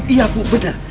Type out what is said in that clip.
iya bu benar